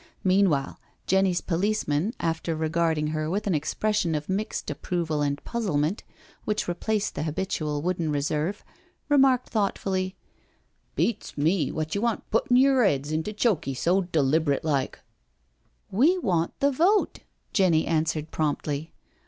Meanwhile, Jenny's policeman, after regarding her with an expression of mixed approval and puzzlement which replaced the habitual wooden reserve, remarked thoughtfully :" Beats me, what you want puttin' yer heads into chokey so deliberate like I "" We want the vote," Jenny answered promptly.